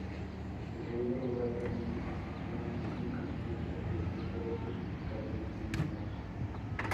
En segundo lugar, permite transacciones sin confianza entre todas sus cadenas de miembros.